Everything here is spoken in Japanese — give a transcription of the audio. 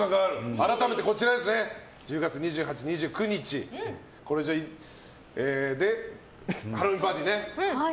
改めてこちら１０月２８、２９日ハロウィンパーティーね。